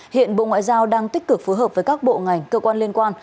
hiện bộ ngoại giao đang tích cực phối hợp với các bộ ngành cơ quan liên quan